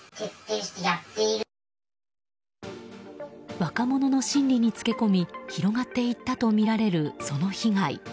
若者の心理につけ込み広がっていったとみられるその被害。